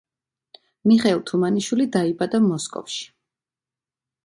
მიხეილ თუმანიშვილი დაიბადა მოსკოვში.